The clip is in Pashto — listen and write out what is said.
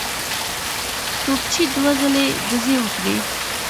توپچي دوه ځلي ډزې وکړې.